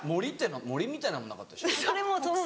「森」みたいなのもなかったでしたっけ？